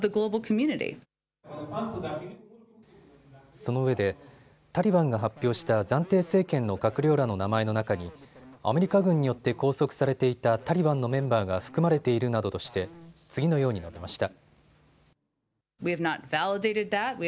そのうえでタリバンが発表した暫定政権の閣僚らの名前の中にアメリカ軍によって拘束されていたタリバンのメンバーが含まれているなどとして次のように述べました。